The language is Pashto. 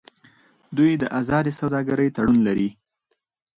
دوی د ازادې سوداګرۍ تړون لري.